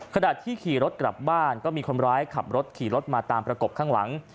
ขณะที่ขี่รถกลับบ้านก็มีคนร้ายขับรถขี่รถมาตามประกบข้างหลัง